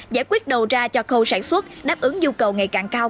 giải quyết đầu ra cho khâu sản xuất đáp ứng nhu cầu ngày càng cao